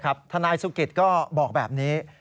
ครับทนายสุขิตก็บอกแบบนี้